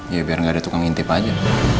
ya biar nggak ada tukang intip aja